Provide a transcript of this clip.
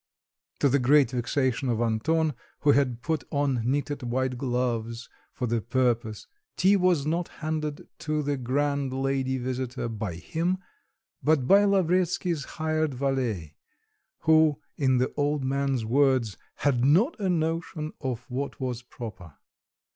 To the great vexation of Anton, who had put on knitted white gloves for the purpose, tea was not handed to the grand lady visitor by him, but by Lavretsky's hired valet, who in the old man's words, had not a notion of what was proper.